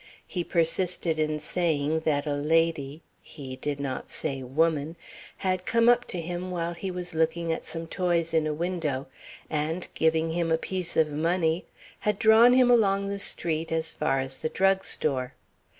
He persisted in saying that a lady (he did not say woman) had come up to him while he was looking at some toys in a window, and, giving him a piece of money, had drawn him along the street as far as the drug store.